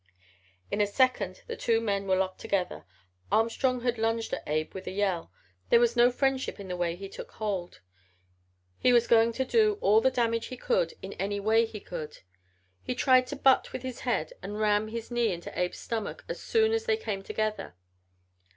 "In a second the two men were locked together. Armstrong had lunged at Abe with a yell. There was no friendship in the way he took hold. He was going to do all the damage he could in any way he could. He tried to butt with his head and ram his knee into Abe's stomach as soon as they came together.